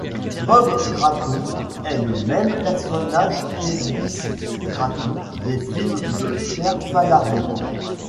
Bob Gratton est le même personnage qu'Elvis Gratton des films de Pierre Falardeau.